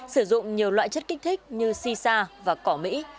sử dụng nhiều loại chất kích thích như sisa và cỏ mỹ